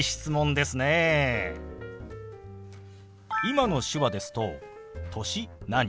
今の手話ですと「歳何？」